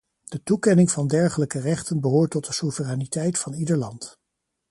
De toekenning van dergelijke rechten behoort tot de soevereiniteit van ieder land.